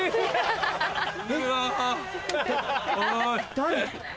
誰？